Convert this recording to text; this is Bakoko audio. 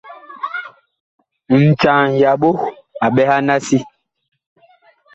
Ncaa ŋyaɓo a ɓɛhan a si.